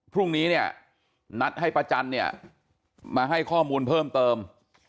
พรุ่งนี้นัดให้ประจันทร์มาให้ข้อมูลเพิ่มเติม